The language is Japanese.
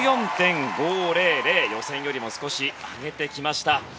予選よりも少し上げてきました。